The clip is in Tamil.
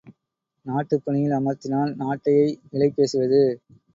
நாட்டுப் பணியில் அமர்த்தினால் நாட்டையை விலை பேசுவது!